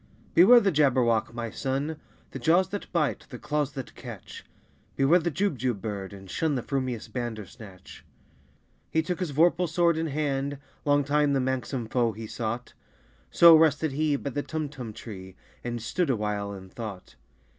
"Beware the Jabberwock, my son! The jaws that bite, the claws that catch! Beware the Jubjub bird, and shun The frumious Bandersnatch!" He took his vorpal sword in hand: Long time the manxome foe he sought So rested he by the Tumtum tree, And stood awhile in thought.